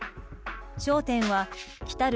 焦点は来る